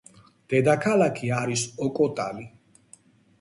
დედაქალაქი არის ოკოტალი.